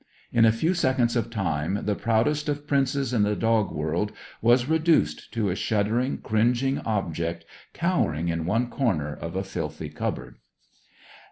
In a few seconds of time the proudest of princes in the dog world was reduced to a shuddering, cringing object, cowering in one corner of a filthy cupboard.